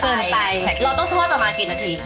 เราต้องทั่วต่อมากี่นาที